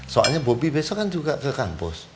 soalnya bobi besok kan juga ke kampus